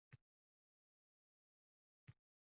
Hind filmlarini koʻrsangiz edi.